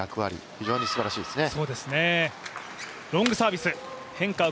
非常にすばらしいですね。